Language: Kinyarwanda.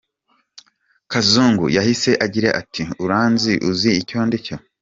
Kazungu yahise agira ati “Uranzi, uzi icyo ndicyo? .